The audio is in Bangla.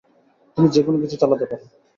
তুমি যেকোনো কিছু চালাতে পারো।